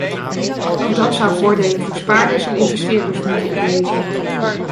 Ook dat zou voordelen voor spaarders en investeerders moeten opleveren.